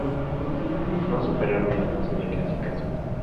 No superaron la fase de clasificación.